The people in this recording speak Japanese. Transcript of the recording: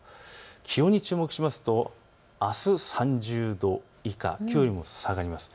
気温に注目しますとあす３０度以下、きょうよりも下がります。